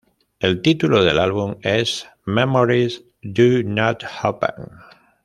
El título del álbum es "Memories... Do Not Open".